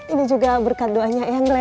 ini juga berkat doanya ya ngeledek